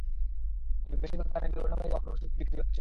তবে বেশির ভাগ দোকানে বিবর্ণ হয়ে যাওয়া পুরোনো সবজি বিক্রি হচ্ছে।